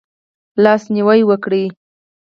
لاس نیوی وکړئ